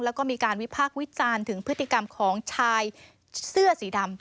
แล้วก็มีการวิพากษ์วิจารณ์ถึงพฤติกรรมของชายเสื้อสีดำ